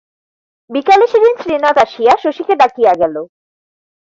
বিকালে সেদিন শ্রীনাথ আসিয়া শশীকে ডাকিয়া গেল।